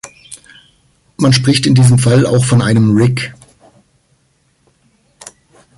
Man spricht in diesem Fall auch von einem Rick.